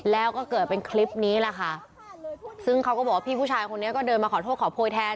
แล้วก็เกิดเป็นคลิปนี้แหละค่ะซึ่งเขาก็บอกว่าพี่ผู้ชายคนนี้ก็เดินมาขอโทษขอโพยแทน